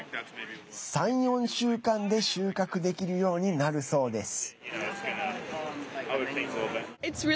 ３４週間で収穫できるようになるそうです。